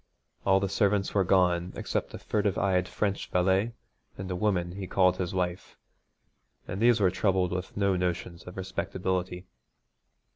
All the servants were gone except a furtive eyed French valet and a woman he called his wife, and these were troubled with no notions of respectability.